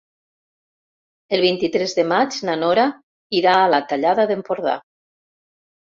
El vint-i-tres de maig na Nora irà a la Tallada d'Empordà.